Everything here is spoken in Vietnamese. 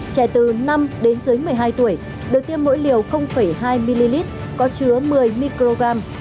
trẻ từ năm đến dưới một mươi hai tuổi được tiêm mỗi liều hai ml có chứa một mươi microgram